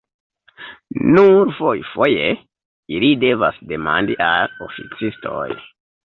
Nur fojfoje ili devas demandi al oficistoj.